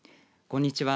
こんにちは。